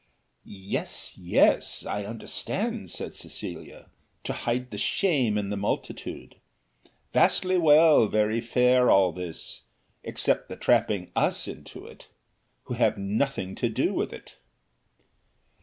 "Yes, yes, I understand," said Cecilia; "to hide the shame in the multitude; vastly well, very fair all this, except the trapping us into it, who have nothing to do with it."